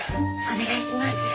お願いします。